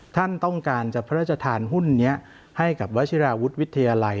ท่านต้องการจะพรจฐานหุ้นแห่งกับวัชีราวุธวิทยาลัย